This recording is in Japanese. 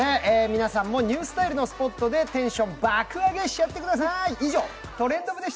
皆さんもニュースタイルのスポットでテンション爆アゲしちゃってください。